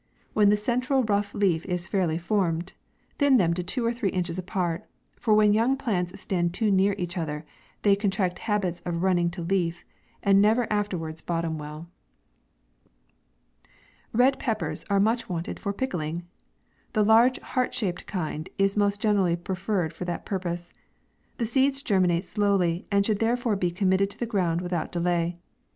When the central rough leaf is fairly formed, thin them to two or three inches apart ; for when young plants stand too near each other, they contract habits of running to leaf, and never afterwards bottom well. RED PEPPERS are much wanted for pickling. The large heart shaped kind is most generally prefer red for that purpose. The seeds germinate slowly, and should therefore be committed to the ground without delay.